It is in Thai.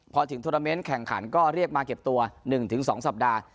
พอถึงโทรเมนต์แข่งขันก็เรียกมาเก็บตัว๑๒สัปดาห์